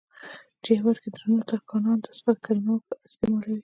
چې هېواد کې درنو ترکانو ته سپکه کليمه استعمالوي.